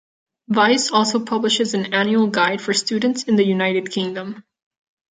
"Vice" also publishes an annual guide for students in the United Kingdom.